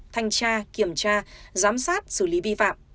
thanh tra kiểm tra giám sát xử lý vi phạm